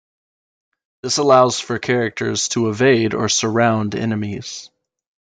This allows for characters to evade or surround enemies.